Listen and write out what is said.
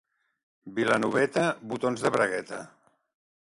Vilanoveta, botons de bragueta.